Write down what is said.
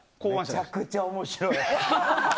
めちゃくちゃ面白いね。